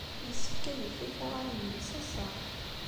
Yessefk ad ifak aɣanen-nnes ass-a.